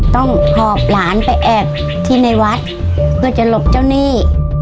หอบหลานไปแอบที่ในวัดเพื่อจะหลบเจ้าหนี้